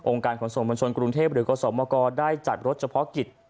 การขนส่งมวลชนกรุงเทพหรือกสมกรได้จัดรถเฉพาะกิจ